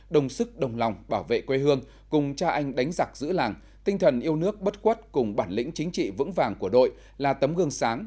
đồng sức đồng lòng bảo vệ quê hương cùng cha anh đánh giặc giữ làng tinh thần yêu nước bất quất cùng bản lĩnh chính trị vững vàng của đội là tấm gương sáng